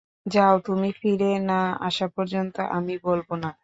যাও, তুমি ফিরে না আসা পর্যন্ত, আমি বলবো না।